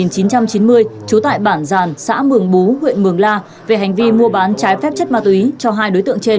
trú tại bản giàn xã mường bú huyện mường la về hành vi mua bán trái phép chất ma túy cho hai đối tượng trên